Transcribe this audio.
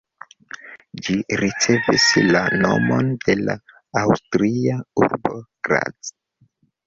Ĝi ricevis la nomon de la aŭstria urbo Graz.